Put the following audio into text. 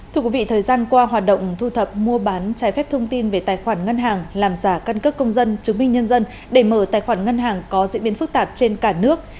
thưa quý vị thời gian qua hoạt động thu thập mua bán trái phép thông tin về tài khoản ngân hàng làm giả căn cước công dân chứng minh nhân dân để mở tài khoản ngân hàng có diễn biến phức tạp trên cả nước